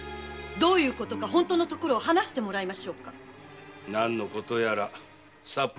どういうことか本当のところを話してもらいましょうか何のことやらサッパリだな。